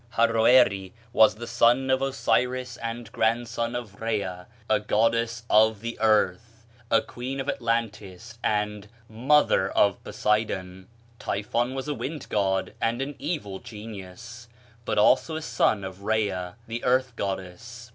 Haroeri was the son of Osiris and grandson of Rhea, a goddess of the earth, a queen of Atlantis, and mother of Poseidon; Typhon was a wind god and an evil genius, but also a son of Rhea, the earth goddess.